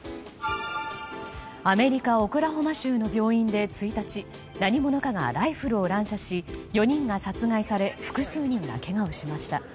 アメリカ・オクラホマ州の病院で１日何者かがライフルを乱射し４人が殺害され複数人がけがをしました。